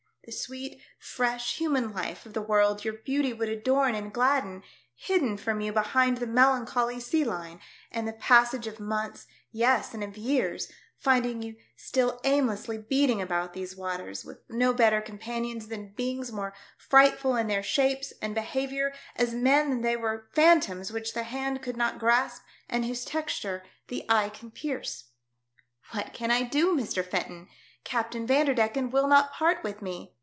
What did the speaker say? — the sweet, fresh, human life of the world your beauty would adorn and gladden, hidden from you behind the melancholy sea line, and the passage of months, yes, and of years, finding you still aimlessly beating about these waters, with no better companions than beings more frightful in their shapes and behaviour as men than were they phantoms which the hand could not grasp and whose texture tlie eye can pierce IMOGEXE SAVS SHE WILL TRUST ME. 16^ "What can I do, Mr. Fenton ? Captain Vanderdecken will not part with me.